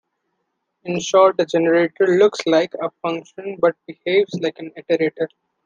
In short, a generator "looks like" a function but "behaves like" an iterator.